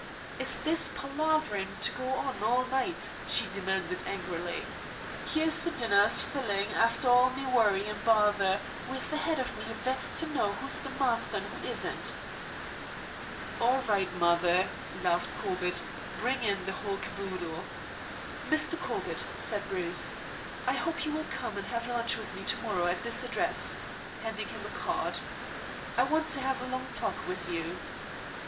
"Is this palaverin' to go on all night?" she demanded angrily. "Here's the dinner sphilin', after all me worry and bother, with the head of me vexed to know who is the masther and who ishn't." "All right, mother," laughed Corbett. "Bring in the whole caboodle." "Mr. Corbett," said Bruce, "I hope you will come and have lunch with me to morrow, at this address," handing him a card. "I want to have a long talk with you.